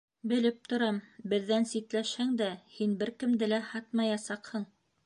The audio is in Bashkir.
Белеп торам, беҙҙән ситләшһәң дә, һин бер кемде лә һатмаясаҡһың.